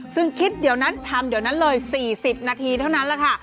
ซึ่งคิดเดี๋ยวนั้นทำเดี๋ยวนั้นเลย๔๐นาทีเท่านั้นแหละค่ะ